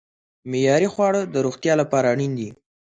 معیاري خواړه د روغتیا لپاره اړین دي.